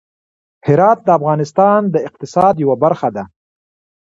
هرات د افغانستان د اقتصاد یوه برخه ده.